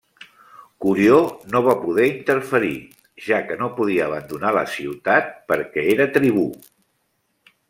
Curió no va poder interferir, ja que no podia abandonar la ciutat perquè era tribú.